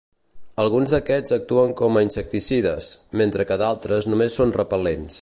Alguns d'aquests actuen com a insecticides, mentre que d'altres només són repel·lents.